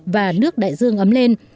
và nước đại dương ấm lên